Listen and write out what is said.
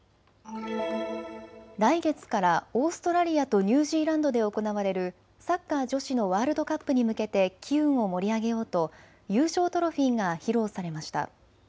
来月からオーストラリアとニュージーランドで行われるサッカー女子のワールドカップに向けて機運を盛り上げようと優勝トロフィーが披露されました。